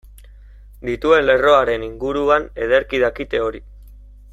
Dituen lerroaren inguruan ederki dakite hori.